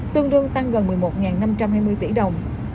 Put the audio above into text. tương đương tăng gần một mươi một năm trăm hai mươi tỷ đồng